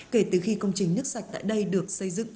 kể từ khi công trình nước sạch tại đây được xây dựng